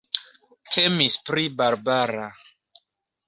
Temis pri Barbara.